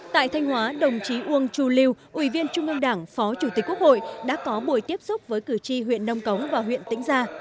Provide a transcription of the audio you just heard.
tại thanh hóa đồng chí uông chu lưu ủy viên trung ương đảng phó chủ tịch quốc hội đã có buổi tiếp xúc với cử tri huyện nông cống và huyện tĩnh gia